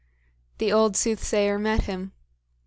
The old soothsayer met him.